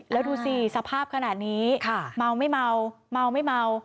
แล้วดูสิสภาพขนาดนี้เมาไม่เมาเมาไม่เมา